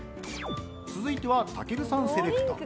続いては、たけるさんセレクト。